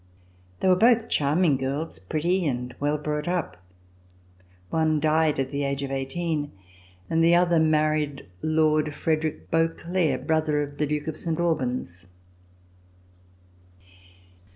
They were both charming girls, pretty and well brought up. One died at the age of eighteen and the other married Lord Frederick Beauclerk, brother of the Duke of Saint Albans.